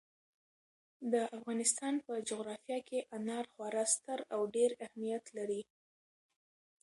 د افغانستان په جغرافیه کې انار خورا ستر او ډېر اهمیت لري.